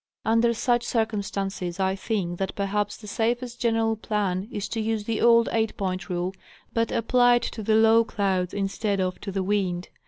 Under such circumstances, I think that perhaps the safest general plan is to use the old 8 point rule, but applied to the low clouds, instead of to the wind.